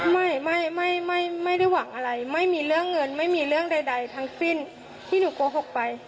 ไม่ไม่ไม่ได้หวังอะไรไม่มีเรื่องเงินไม่มีเรื่องใดทั้งสิ้นที่หนูโกหกไป